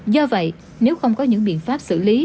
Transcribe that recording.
do vậy nếu không có những biện pháp xử lý